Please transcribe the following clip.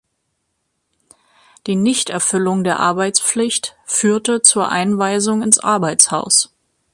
Die Nichterfüllung der Arbeitspflicht führte zur Einweisung ins Arbeitshaus.